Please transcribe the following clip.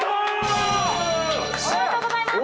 おめでとうございます。